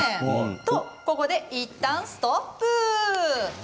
と、ここで、いったんストップ。